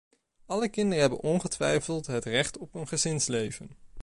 Alle kinderen hebben ongetwijfeld het recht op een gezinsleven.